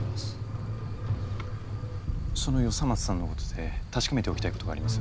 その与三松さんの事で確かめておきたい事があります。